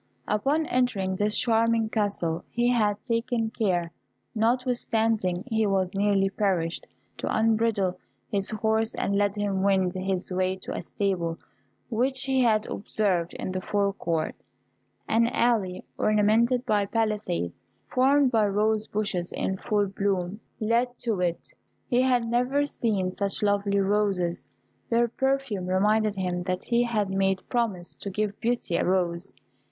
Upon entering this charming castle he had taken care, notwithstanding he was nearly perished, to unbridle his horse and let him wend his way to a stable which he had observed in the fore court. An alley, ornamented by palisades, formed by rose bushes in full bloom, led to it. He had never seen such lovely roses. Their perfume reminded him that he had promised to give Beauty a rose.